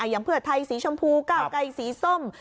อย่างเพื่อไทยสีชมพูก้าวไกรสีส้ม